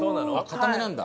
硬めなんだ。